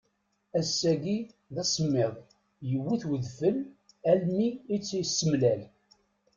Ass-agi d asemmiḍ, yewwet udfel almi i tt-isemlal.